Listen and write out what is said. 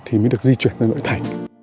thì mới được di chuyển ra nội thành